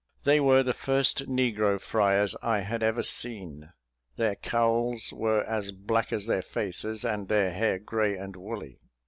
They were the first negro friars I had ever seen; their cowls were as black as their faces, and their hair grey and woolly.